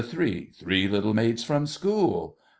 Three little maids from school!